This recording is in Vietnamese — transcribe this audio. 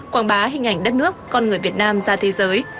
quảng bá hình ảnh đất nước con người việt nam ra thế giới